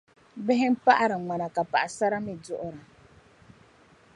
Bihi n paɣiri ŋmana, ka paɣisara mii duɣira.